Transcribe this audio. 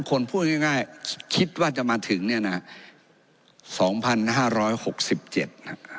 คนพูดง่ายคิดว่าจะมาถึงเนี่ยนะฮะสองพันห้าร้อยหกสิบเจ็ดนะฮะ